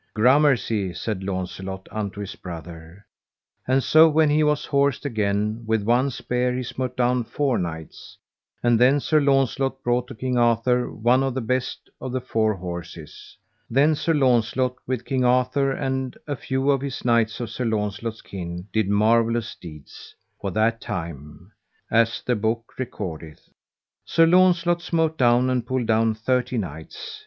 Gramercy, said Launcelot unto his brother. And so when he was horsed again, with one spear he smote down four knights. And then Sir Launcelot brought to King Arthur one of the best of the four horses. Then Sir Launcelot with King Arthur and a few of his knights of Sir Launcelot's kin did marvellous deeds; for that time, as the book recordeth, Sir Launcelot smote down and pulled down thirty knights.